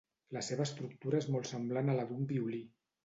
La seva estructura és molt semblant a la d'un violí.